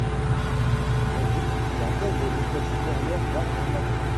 Très vite, il intègre l'École supérieure d'art dramatique.